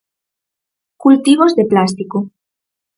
'Cultivos de plástico'.